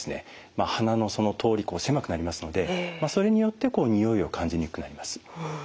鼻の通り狭くなりますのでそれによってにおいを感じにくくなります。